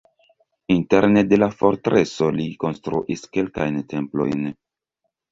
Interne de la fortreso li konstruis kelkajn templojn.